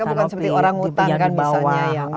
bukan seperti orang hutan yang bisa